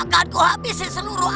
akanku habisi seluruh